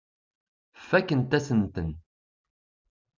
Fakkent-asen-ten.